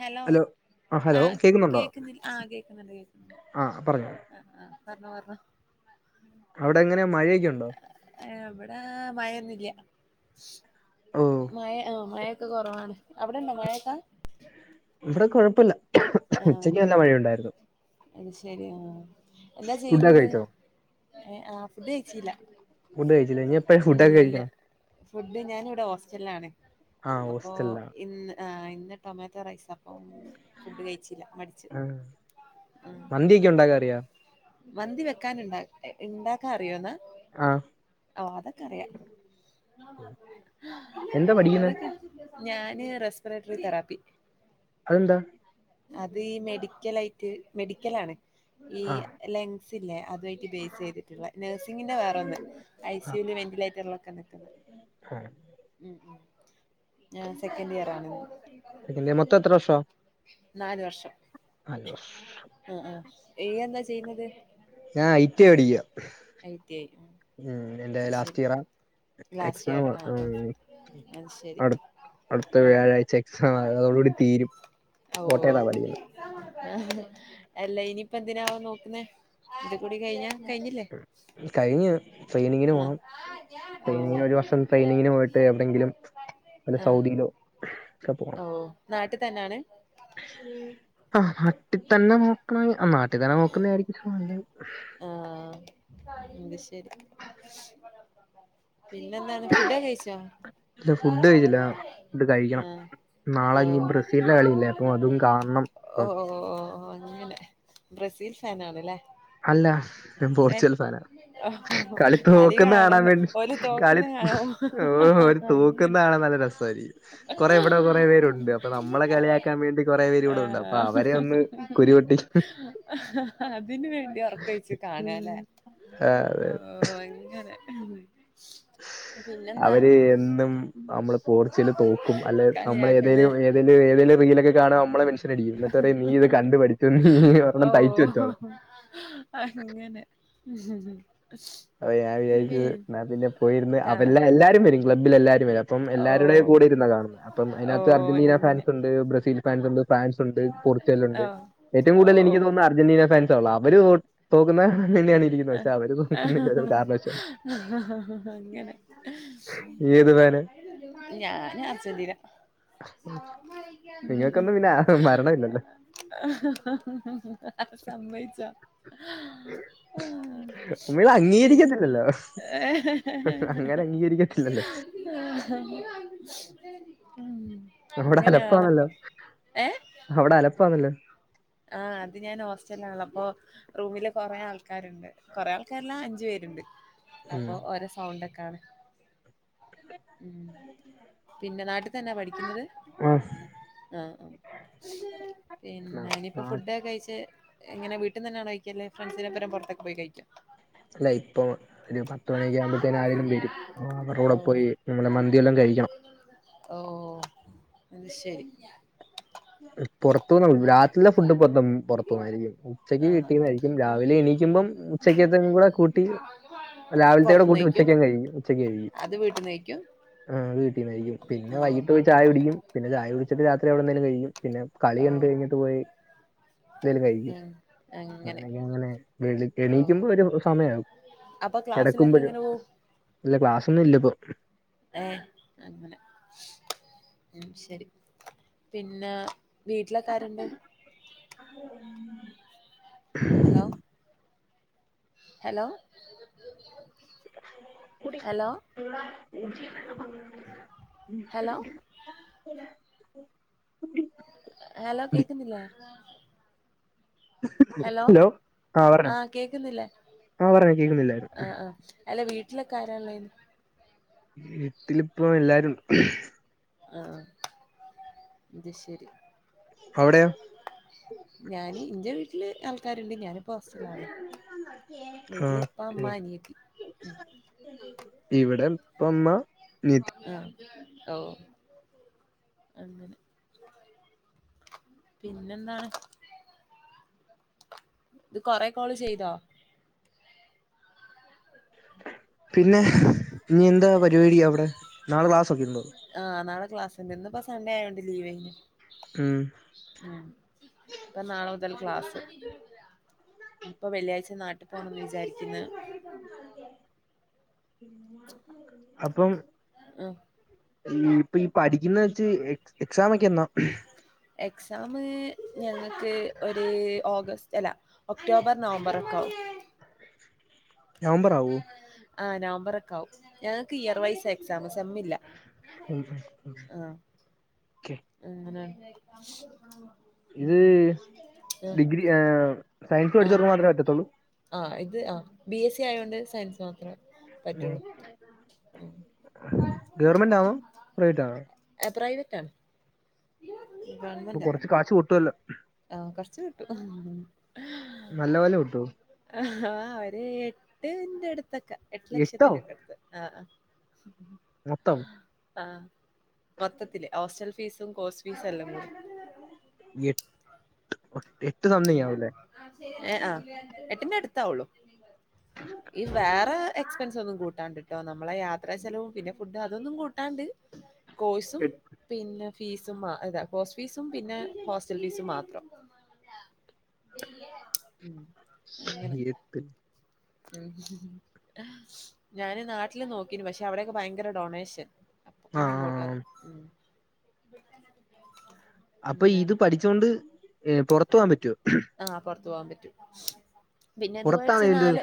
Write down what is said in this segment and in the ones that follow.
Hello ആ hello ആഹ് കേക്കുന്നിൽ ആഹ് കേക്കുന്നുണ്ട് കേക്കുന്നു ആഹ് പറഞ്ഞോ ആഹ് ആഹ് പറഞ്ഞോ പറഞ്ഞോ അവിടെ എങ്ങനെയാ മഴയൊക്കെയുണ്ടോ ഏഹ് ഇവടെ മയയൊന്നുല്ല്യ ഓ മയ ആഹ് മയ ക്ക് കൊറവാണ് അവിടെണ്ടോ മഴേക്കാ ഇവടെ കൊഴപ്പല്ല ഉച്ചയ്ക്ക് ആഹ് നല്ല മഴയൊണ്ടായിരുന്നു അത് ശരി ആഹ് എന്താ ഫുഡൊക്കെ ചെയ്യുന്നത് കഴിച്ചോ ഏഹ് ആഹ് ഫുഡ് കഴിച്ചീല്ല ഫുഡ് കഴിച്ചില്ല ഇനി എപ്പഴാ ഇല്ല ഫുഡൊക്കെ ഇല്ല്യ കഴിക്കണം ഫുഡ് ഞാനിവിടെ ഹോസ്റ്റലിലാണ് ആ അപ്പോ ഹോസ്റ്റലിലാ ഇന്ന് ആഹ് ഇന്ന് ടൊമാറ്റോ റൈസാപ്പോ ഫുഡ് കഴി ആഹ് മന്തിയൊക്കെ ഉണ്ടാക്കാറിയോ മന്തി വെക്കാന്ണ്ടാ തേ ഇണ്ടാക്കാ അറിയോന്നാ ആ ഓ അതൊക്കെ അറിയാ എന്താ പഠിക്കുന്നെ അതൊക്കെ ഞാന് റെസ്പിറേറ്ററി തെറാപ്പി അതെന്താ അത് ഈ മെഡിക്കലായിറ്റ് മെഡിക്കലാണ് ഈ ആ ലെങ്സില്ലേ അതു ആയിറ്റ് ബേസെയ്തിറ്റ്ള്ള നേഴ്സിങ്ങിന്റെ വേറൊന്ന് ഐ ആ സി യൂല് വെന്റിലേറ്ററിലൊക്കെ നിക്കുന്ന [unintelligible] ഉം ഞാൻ സെക്കൻഡിയറാണ് സെക്കൻഡ് ഇയർ. മൊത്തം എത്ര വർഷാ നാല് വർഷം നാല് വർഷം ആഹ് ആഹ് ഈയെന്താ ചെയ്യുന്നത് ഞാൻ ഐടി പഠിക്കുവാ ഐ ടി ഉം എന്റെ ഐ ശരി ലാസ്റ്റിയറാ ലാസ്റ്റ് ഇയർ എക്സാമാ ആ ആ ഉം അത് ശരി അടുത്ത് അടുത്ത ഉം വ്യാഴാഴ്ച എക്സാമാ അത തോടു കൂടി തീരും കോട്ടയത്താ പഠിക്കുന്നെ ആഹ അല്ല ഇനിപ്പ എന്തിനാവോ നോക്കുന്നേ ഇത് കൂടി കഴിഞ്ഞാ കഴിഞ്ഞില്ലേ കഴിഞ്ഞു ട്രെയിനിങ്ങിന് ആ പോണം ഓ ട്രെയിനിങ്ങിനൊരു വർഷം ട്രെയിനിങ്ങിന് പോയിട്ട് എവിടെങ്കിലും വല്ല സൗദിയിലോ ഒക്കെ പോണം. നാട്ടിത്തന്നാണ്? ആഹ് നാട്ടിത്തന്നെ നോക്കണയ് ആഹ് നാട്ടിത്തന്നെ നോക്കുന്നെയായിരിക്കും നല്ലത്. ആഹ് അത് ശരി പിന്നെന്താണ് ഫുഡൊക്കെ കഴിച്ചോ? ഇല്ല ഫുഡ് കഴിച്ചില്ല ആഹ് ഫുഡ് കഴിക്കണം നാളെ ഓഹ് ഇനി ബ്രസീലിന്റെ ഓ കളിയില്ലേ അപ്പൊ അതും കാണണം അപ്പം ഓ ഓ ഓ ഓ അങ്ങനെ ബ്രസീൽ ഫാനാണ്ല്ലേ? അല്ല ഞാൻ പോർച്ചുഗൽ ഫാനാ കളി തോക്കുന്ന കാണാൻ കാണല്ലോ വേണ്ടി ഓല് കളി തോക്കുന്ന കാണോ ഓ അവര് അങ്ങനെ തോക്കുന്നാണ നല്ല രസം കുറെ ഇവിടെ കൊറേ പേരുണ്ട് അപ്പൊ നമ്മളെ കളിയാക്കാൻ വേണ്ടി കുറേ പേര് ഇവിടെ ഉണ്ട്. അപ്പൊ ആഹ് അവരെ ഒ കുരുവൊട്ടി അതിന് വേണ്ടി ഒറ്ക്ക ഒഴിച് കാണാല്ലേ ആഹ് അതെ ഓ അങ്ങനെ അതെ അവര് എന്നും നമ്മള് പോർച്ചൽ തോക്കും അല്ലെ നമ്മൾ കളിയാക്കല്ലേ ഏതേലും ഏതേലും ഏതേലും റീലൊക്കെ കാണാ നമ്മളെ മെൻഷൻ അടിക്കും. എന്ന് ട്ടറിം നീ ഇത് കണ്ടു പഠിച്ചുന്ന് നീ ഒരെണ്ണം തൈച്ചുവെച്ചോ ഓഹ് അങ്ങനെ ഉം ഉം അപ്പ ഞാൻ വിചാരിച്ചു ന്നാ പിന്നെ പോയിരുന്നു കാ അവ എല്ല എല്ലാരും വരും ക്ലബ്ബില എല്ലാരും. അപ്പം എല്ലാവരുടെയും ഓഹ് കൂടെ ഇുന്നാ കാണുന്നത് അപ്പം അതിനകത്ത് ഓഹ് അർജന്റീന അങ്ങനെ ഫാൻസ് ഉണ്ട് ബ്രസീൽ ഫാൻസ് ഉണ്ട്. ഫ്രാൻസ് ഉണ്ട് പോർച്ചുഗൽ ഉണ്ട് ഓഹ് ഏറ്റവും കൂടുതൽ എനിക്ക് ഓഹ് തോന്നുന്നു അർജന്റീന ഫാൻസ ആ ഉള്ളൂ അവര് തോക്കുന്ന തന്നെയാണ് ഇരിക്കുന്ന പക്ഷെ അവര് തോക്കുന്നില്ല അങ്ങനെ ഒരു കാരണവശാലും ഏത് ഫാന് ഞാൻ അർജെന്റിന നിങ്ങൾക്കൊന്നും പിന്നെ ആ- മരണമില്ലല്ലോ [inaudible] സമ്മയ്ചോ നിങ്ങൾ ആഹ് [inaudible] അംഗീകരിക്കത്തില്ലല്ലോ അങ്ങനെ [inaudible] അംഗീകരിക്കത്തില്ലല്ലോ അവിടെ അലപ്പാണല്ലോ അങ്ങനെയാണപ്പം ഏ അവിടെ അലപ്പാന്നലോ ആഹ് അത് ഞാൻ ഹോസ്റ്റല് ആണല്ലോ അപ്പോ റൂമിലെ കൊറെേ ആൾക്കാരുണ്ട്. കൊറെേ ആൾകാരല്ല അഞ്ചു പേരുണ്ട് അപ്പൊ ഉം. ഓരോ സൗണ്ടൊക്കെയാണ് ഉ പിന്നെ നാട്ടിൽ തന്നെ പഠിക്കുന്നത്? ആ, ആഹ് ആഹ് പിന്നെ നാ- നി അപ്പോൾ ഫുഡ് നാട്ടില ക്കെ കഴിച്ച് എങ്ങനെ വീട്ട്നിന്നാണോ കഴിക്കല് ഫ്രണ്ട്സിനപ്പെരം പുറത്തൊക്ക പോയി കഴിക്കെ ഇല്ല ഇപ്പൊ ഒരു പത്ത് മണിയൊക്കെ ആകുമ്പ ത്തേനു ആരെലും വരും. അവരുടെ കൂടെ ഓ പോയി നമ്മള് മന്തിയെല്ലാം കഴിക്കണം ഓ അത് ശരി പുറത്തൂന്ന് [unintelligible] ഫുഡ് മൊത്തം പുറത്തുന്നായിരിക്കും ഉച്ചക്ക് ആ കിട്ടിയതായിരിക്കും അത് രാവിലെ എണീക്കുമ്പം ഉച്ചക്കത്തും കൂടെ കൂട്ടി രാവില്ത്തെ കൂടെ കൂട്ടി ഉച്ചക്കങ്ങ് കഴിക്കും ഉച്ചക്ക് കഴിക്കും അത് വീട്ടിൽ നിന്ന് കഴിക്കും ആ് വീട്ടീന്നായിരിക്കും പിന്നെ വൈകിട്ട് പോയി ചായ കുടിക്കും പിന്നെ ചായ കുടിച്ചട്ട് രാത്രി അവിടെ എന്തേലും കഴിക്കും പിന്നെ കളി ആ ഓ എന്ത് കഴഞ്ഞിട്ട് പോയി എന്തേലും കഴിക്കും. ഉം. അങ്ങനെ അങ്ങനെയൊക്കെ അങ്ങനെ ഓ എണീക്കുമ്പോ ഒരു സമയാകും അപ്പൊ ക്ലാസ്സിലൊക്കെ കിടക്കുമ്പോ ഒരു എങ്ങനെ പോവും ഇല്ല ക്ലാസ്സൊന്നുല്ലപ്പോ ഏ അങ്ങനെ ഉം ശരി പിന്നെ വീട്ടിലൊക്കെ ആരുണ്ട്? [inaudible] Hello hello hello hello [unintelligible] hello കേക്കുന്നില്ലേ ഹലോ ആ പറഞ്ഞോ ആഹ് കേക്കുന്നില്ലേ ആ പറഞ്ഞോ കേക്കുന്നില്ലായിരുന്നു ആഹ് ആഹ് അല്ല വീട്ടിലക്കാരയുള്ളെ അതിന് വീട്ടിപ്പ എല്ലാരുംണ്ട് [unintelligible] അവിടെയോ ഞാന് എന്റെ വീട്ടില് ആൾക്കാരുണ്ട് ഞാനിപ്പോ ഹോസ്റ്റലിൽ ആണ് ആഹ് അനിയത്തി ഉം ഇവിടെ ഉപ്പ ഉമ്മ അനിയത്തി ആഹ് ഓ അങ്ങനെ പിന്നെന്താണ് ഇത് കുറെ കോള് ചെയ്തൊ പിന്നെ ഇനി എന്താ പരിപാടി അവിടെ നാളെ ക്ലാസ് ഉണ്ടോ ആഹ് നാളെ ക്ലാസ്ണ്ട് ഇന്ന് ഇപ്പൊ സൺേ ആയതോണ്ട് ലീവ് ഉം ഉം അപ്പൊ നാളെ മുതൽ ക്ലാസ് ഇ ഇപ്പോ വെള്ളിയാഴ്ച നാട്ടിൽ പോണം എന്ന് വിചാരിക്കുന്നു അപ്പം ആഹ [unintelligible] ഈ ഇപ്പൊ ഈ പഠിക്കുന്ന വെച്ച് എക്സാമയൊക്കെ എന്നാ എക്സാംമ് ഞങ്ങൾക്ക് ഒരു ഓഗസ്റ്റ് അല്ല ഒക്ടോബർ നവംബർ ഒക്കെയാവും നവംബർ ആവോ ആ നവംബർ ഒക്കെ ആവും ഞങ്ങക്ക് ഈർ വയസ്സായി സെ സെമ് ഇല്ലേ ആഹ ഓക്കെ അങ്ങനെ ഉം ഇത് ഉം ആഹ്. ഡിഗ്രി സയൻസ് പഠിച്ചവർക്ക് മാത്രമേ പറ്റത്തുള്ളൂ ആ് ഇത് ആ ബി എസ് സി ആയോണ്ട് സയൻസ് മാത്രം പറ്റുള്ളൂ ഗവൺമെന്റ് ആണോ പ്രൈവറ്റ് ആണോ ആ പ്രൈവറ്റാ ബ [unintelligible] ഇപ്പൊ കൊറച്ച് കാശ് കിട്ടുവല്ലോ ആഹ് കുറച്ച് കിട്ടും നല്ല പോലെ കിട്ടുവോ ആഹ് ആ അവര് എട്ടിന്റെ അടുത്തൊക്കെ എട്ട് എട്ടോ ലക്ഷത്തിന്റെ ഒക്കെ അടുത്ത് ആഹ് ഉ [unintelligible] മൊത്തം ആ മൊത്തത്തില് ഹോസ്റ്റൽ ഫീസും കോഴ്സ് ഫീസും എല്ലാം കൂടി- യ ഒ [unintelligible] ഏ ആ എട്ടിന്റെ അടുത്താവുള്ളു ഈ വേറെ എക്സ്പെൻസ് ഒന്നും കൂട്ടാണ്ടിട്ടോ നമ്മളെ യാത്ര- എത്ര ചെലവും പിന്നെ ഫുഡ് അതൊന്നും കൂട്ടാണ്ട് കോഴ്സും- പിന്നെ ഫീസും അതാ കോഴ്സ് ഫീസും പിന്നെ ഹോസ്റ്റൽ ഫീസും മാത്രം ഉം അങ്ങനെ മ [unintelligible] ഞാന് നാട്ടില് നോക്കീനു പക്ഷെ അവിടെൊക്കെ ഭയങ്കര ഡൊണേഷൻ അപ്പൊ പിന്നെ ഇങ്ങോട്ട് ആഹ് അപ്പൊ ഇത് അങ്ങനെയാണ് പഠിച്ചൊണ്ട് പൊറത്തു പോവാൻ പറ്റുവോ ആഹ് പൊറത്തു പോവാൻ പറ്റൂ പിന്നെത് കഴ [unintelligible] പുറത്താണ് ച്ച് ഇതിന്റെ നാല്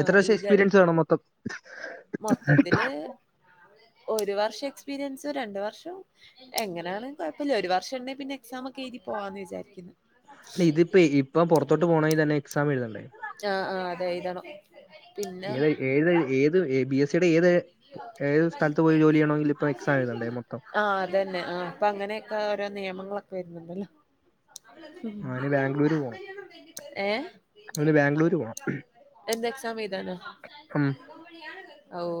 എത്ര ഈ വർഷം ഗൾ എക്സ്പീരിയൻസ് വേണം മൊത്തം മൊത്തത്തില് ഒരു വർഷം എക്സ്പീരിയൻസും രണ്ടു വർഷവും എങ്ങനെയാലും കുഴപ്പമില്ല ഒരു വർഷം ഉണ്ടെങ്കി പിന്നെ എക്സാം ഒക്കെ എുതി പോവാന്ന് വിചാരിക്കുന്നു അല്ല ഇതിപ്പോ ഇപ്പ പുറത്തോട്ട് പോണെങ്കിൽ തന്നെ എക്സാം എഴതേണ്ടേ? ആഹ് ആഹ് ഇവിടെ അതെ ഇതാണ് ഏത് ഏത് ഏത് ബി എസ് സിയുടെ ഏത് ഏത് സ്ഥലത്ത് പോയി ജോലിയാണെങ്കില ഇപ്പോ എക്സാം എഴുതണ്ടേ മൊത്തം അ തന്നെ ആ അപ്പൊ അങ്ങനെയൊക്കെ ഓരോ നിയമങ്ങളൊക്കെ വരുന്നുണ്ടല്ലോ അവന് ബാംഗ്ലൂര് പോണം ഏഹ അവന് ബാംഗ്ലൂര് പോണം എന്ത് എക്സാം ഏതാനോ ഉം ഓഹ്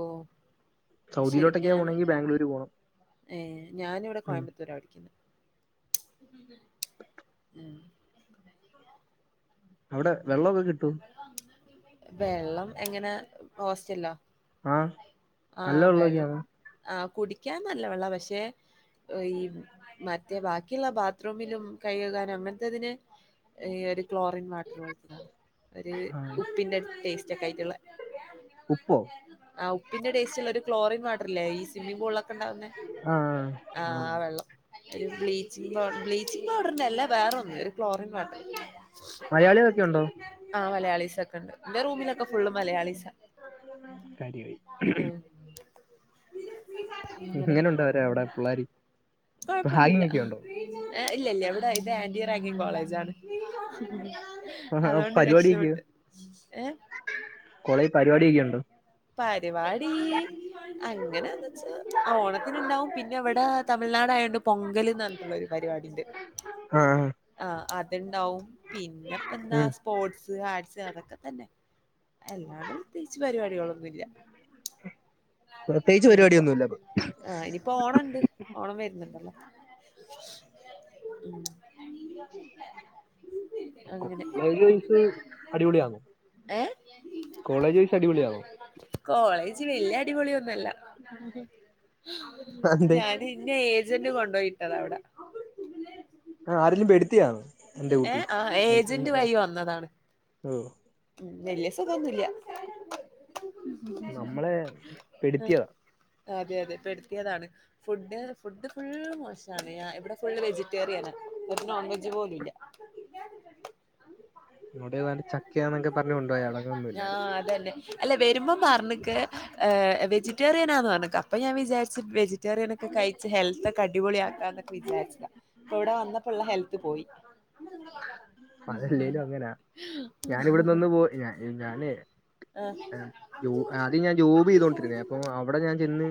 ശരി സൗദിയിലോട്ടൊക്കെയാ ഞാന് പോണെങ്കിൽ ബാംഗ്ലൂര് പോണം ഏ ഞാനിവിടെ ഉം കോയമ്പത്തൂരാ പഠിക്കുന്നെ അവിടെ വെള്ളമൊക്കെ കിട്ടുവോ? വെള്ളം എങ്ങനാ ഹോസ്റ്റലിലോ ആഹ് നല്ല ആഹ് വെള്ള, വെള്ളമൊക്കെയാണോ ആഹ് കുടിക്കാൻ നല്ല വെള്ളമാ പക്ഷേ ഈ.. മറ്റേബാക്കിയുള്ള ബാത്റൂമിലും കൈകഴുകാനും അങ്ങനത്തേതിന് ഈയൊരു ക്ലോറിൻ വാട്ടർ പോലത്തെയാണ്. ഒരു ആഹ് ഉപ്പിന്റെ ടേസ്റ്റൊക്കെയായിട്ടുള്ളേ ഉപ്പോ ആഹ് ഉപ്പിന്റെ ടേസ്റ്റുള്ള ഒരു ക്ലോറിൻവാട്ടറില്ലേ ഈ സ്വിമ്മിംങ്ങ്പൂളിലൊക്കെ ഉണ്ടാകുന്നേ ആഹ് ആഹ് ആ വെള്ളം ഒരു ബ്ലീച്ചിംഗ് പൗഡർ ബ്ലീച്ചിംഗ്പൗഡറല്ല വേറൊന്നും ഒരു ക്ലോറിൻ വാട്ടർ മലയാളികളൊക്കെ ഉണ്ടോ ആ മലയാളീ സൊക്കെയുണ്ട്. എന്റെ റൂമിലൊക്കെ ഫുള്ള് മലയാളീസാ ! ! ! ! !... ഉം.. അങ്ങനെ ഇങ്ങനുണ്ടോ അവരെ അവിടെ പിള്ളേര് കൊഴപ്പമൊന്നുമില്ല, റാഗിംഗ് ഒക്കെ ഉണ്ടോ ഇല്ലയില്ല ഇവിടെ ഇത് ആന്റീറാഗിംങ്ങ് കോളേജാണ് അതുകൊണ്ടുരക്ഷപെട്ടു ഏ കൊളേജിൽ പരിപാടിയൊക്കെയുണ്ടോ? പരിപാടി അങ്ങനെയെന്നു വെച്ചാ ഓണത്തിനുണ്ടാവും. പിന്നെ ഇവിടെ തമിഴ്നാടായോണ്ടുപൊങ്കലെന്നു പറഞ്ഞിട്ടുള്ള ഒരു പരിപാടിയുണ്ട്. ഉം ആ അതുണ്ടാവും, പിന്നെപ്പമെന്താ ഉം. സ്പോർട്സ്, ആർട്സ് അതൊക്കെതന്നെ അല്ലാണ്ടുപ്രത്യേകിച്ചു പരിപാടികളൊന്നു ഇന്നില്ല പ്രത്യേകിച്ച് ഇനിയിപ്പോ പരിപാടിയൊന്നുമില്ല ഇപ്പൊ. ആ ഇനിയി ഇപ്പോ ഓണമുണ്ട് ഓണം വരുന്നുണ്ടല്ലോ അങ്ങനെ മേരീക്വീൻസ് അടിപൊളിയാണോ ഏ കോളേജേഴ്സടിപൊളിയാണോ കോളേജുവലിയ അടിപൊളിയൊന്നുമല്ല, എന്തേ ഞാൻ എന്നെ ഏജന്റു കൊണ്ടു പോയി വിട്ടതാവിടെ. ആ, ആരെങ്കിലും പെടുത്തിയാണ് എന്റെ കൂട്ട് ഏഹ് ആഹ് എൻ- എൻ- ഏജന്റുവഴി വന്നതാണ്. ഓ ഉം വലിയ സുഖമൊന്നുമില്ല നമ്മളെ ആഹ് പെടുത്തിയതാ അതെയതെ, പെടുത്തിയതാണ്, ഫുഡ് ഫുഡുഫുൾ മോശമാണ്. ഞി ഇവിടെഫുൾവെജി റ്റേറിയനാണ് ഒരുനോൺ വെജുപോലുമില്ല. ഇങ്ങടേതു ചക്കയാന്നൊക്കെ പറഞ്ഞുകൊണ്ടുപോയാണതൊന്നുമില്ല. അല്ലേ, അല്ല വരുമ്പം പറഞ്ഞേക്ക്, ഏ വെജിറ്റേറിയനാന്നുപറഞ്ഞേക്ക് അപ്പൊഞാൻ വിചാരിച്ചു വെജി വെജിറ്റേറിയനൊക്കെ കഴിച്ചു ഹെൽത്ത്.. അടിപൊളിയാകാമെന്നൊക്കെവിചാരിച്ചതാ, അപ്പ മിവിടെ വന്നപ്പോളുള്ള ഹെൽത്തുപോയി. അതല്ലേലും അങ്ങനാ ഞാൻ ഇവിടെ നിന്ന് [unintelligible] ആദ്യംഞാൻ ജോബു ചെയ്തൊണ്ടിരുന്നേ, അപ്പൊ അവിടെഞാൻ ചെന്ന്‌,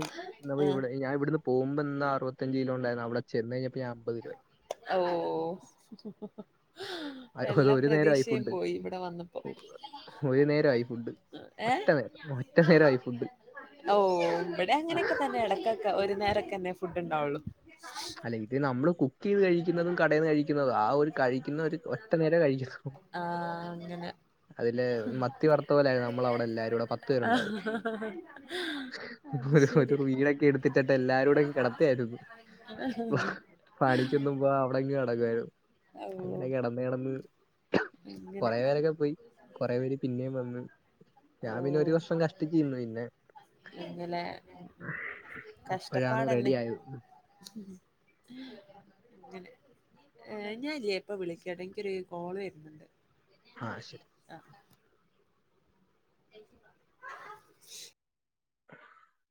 ആഹ് അപ്പമിവിടെ.. ഞാനിവിന്നുപോകുമ്പോയെന്നാ, അറുപത്തഞ്ചു കിലോയുണ്ടായിരുന്നു. അവിടെ ചെന്നുകഴിഞ്ഞപ്പോഞാനമ്പതു കിലോയായി. ഒ.. ഓ.. ഒ അ- അത് ഒരു എല്ലാപ്രതീക്ഷയും പോയിയിവിടെ വന്നപ്പോ.. ഒരുനേരമായി ഫുഡ് ഒറ്റ നേരം ഒറ്റ നേരമായി ഫുഡ്.. ഓ.. ഇവിടെ യങ്ങനെയൊക്കെതന്നെയിടക്കൊക്കെ, ഒരു നേരൊക്കെതന്നെ ഫുഡുണ്ടാവുള്ളു. അല്ലേയി പിന്നമ്മളു കു.. കുക്കുചെയ്തുകഴിക്കുന്നതും, കടയിൽ നിന്നു കഴിക്കുന്നതും. ആയൊരു കഴിക്കുന്നയൊരു ഒറ്റ നേരംകഴിക്കുന്നു. ആഹ്, അങ്ങനെ മത്തി വറുത്ത പോലായിരുന്നു നമ്മൾ അവിടെ എല്ലാവരും കൂടെ പത്ത് [unintelligible] ഹൊരു ശരി ഒരു വീടൊക്കെ എടു ത്തിട്ട് എല്ലാരുടെ കിടത്തിയിരുന്നു പണിക്കൊന്നും വ അവിടെകെടക്കുയിരു ഓ അങ്ങനെ കെടന്ന് കെടന്ന് അങ്ങനെ കൊറെ പേരൊക്കെ പോയി കൊറെേ പേര് പിന്നേം വന്ന് ഞാൻ പിന്നെ ഒരു വർഷം കഷ് ട്ടിച്ച് ഇന്നൊയിന്നെ എങ്ങലെ ഇപ്പോഴാണ് കഷ്ടപ്പാടന്നെ റെഡി ആയത് അങ്ങനെ ഏഹ് ഞാല്ല്യേ ഇപ്പൊ വിളിക്കടെഇൻക്കൊരു കോള് വരുന്നുണ്ട് ആ ആഹ് [inaudible] [unintelligible]